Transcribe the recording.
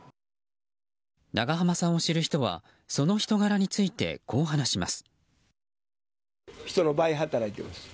長濱さんを知る人はその人柄についてこう話します。